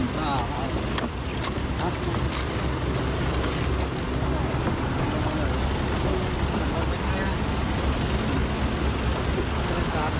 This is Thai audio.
การสมุนในรถ